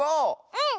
うん！